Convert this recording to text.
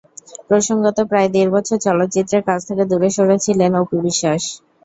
প্রসঙ্গত, প্রায় দেড় বছর চলচ্চিত্রের কাজ থেকে দূরে সরে ছিলেন অপু বিশ্বাস।